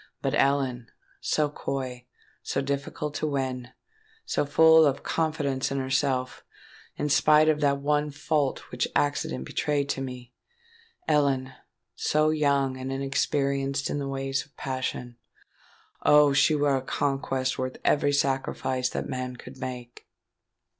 But Ellen—so coy, so difficult to win,—so full of confidence in herself, in spite of that one fault which accident betrayed to me,—Ellen, so young and inexperienced in the ways of passion,—Oh! she were a conquest worth every sacrifice that man could make!"